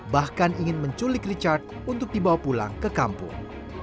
bahkan ingin menculik richard untuk dibawa pulang ke kampung